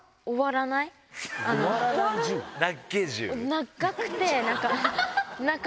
長くて。